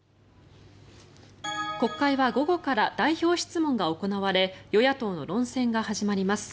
国会は午後から代表質問が行われ与野党の論戦が始まります。